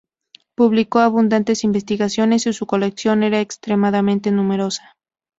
Publicó abundantes investigaciones y su colección era extremadamente numerosa.